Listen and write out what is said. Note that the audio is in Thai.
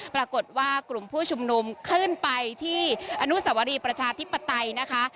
ปรากฏว่ากลุ่มผู้ชุมนุมขึ้นไปที่อนุสวรีประชาธิปไตยนะคะ